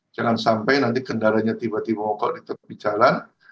jangan sampai nanti kendalanya tiba tiba kalau di tepi jalan